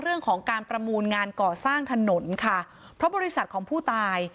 เรื่องของการประมูลงานก่อสร้างถนนค่ะเพราะบริษัทของผู้ตาย